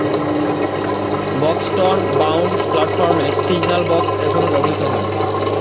Buxton-bound প্ল্যাটফর্মে signal box এখনও ব্যবহৃত হয়।